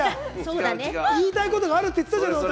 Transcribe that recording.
言いたいことがあるって言ってたじゃない。